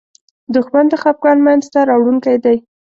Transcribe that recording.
دښمن د خپګان مینځ ته راوړونکی دی